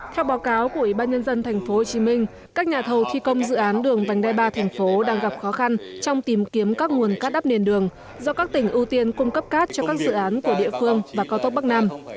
theo báo cáo của ủy ban nhân dân tp hcm các nhà thầu thi công dự án đường vành đai ba tp hcm đang gặp khó khăn trong tìm kiếm các nguồn cát đắp nền đường do các tỉnh ưu tiên cung cấp cát cho các dự án của địa phương và cao tốc bắc nam